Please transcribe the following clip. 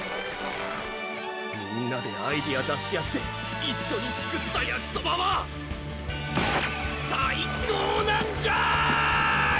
みんなでアイデア出し合って一緒に作ったやきそばは最高なんじゃい！